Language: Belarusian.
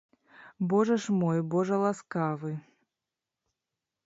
Божа ж мой, божа ласкавы!